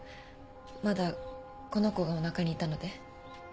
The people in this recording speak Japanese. まだこの子がおなかにいたので。